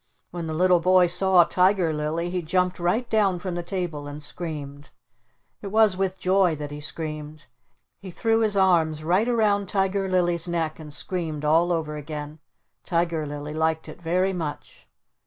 When the little boy saw Tiger Lilly he jumped right down from the table and screamed. It was with joy that he screamed. He threw his arms right around Tiger Lily's neck and screamed all over again. Tiger Lily liked it very much.